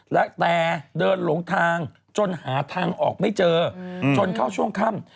แล้วแต่เดินหลงทางจนหาทางออกไม่เจอจนเข้าช่วงค่ำ